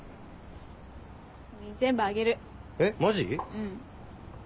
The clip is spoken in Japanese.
うん。